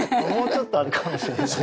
もうちょっとあるかもしれない。